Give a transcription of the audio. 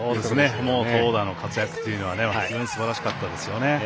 投打の活躍というのが非常にすばらしかったですよね。